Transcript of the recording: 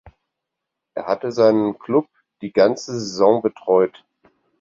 Er hatte seinen Klub die ganze Saison betreut.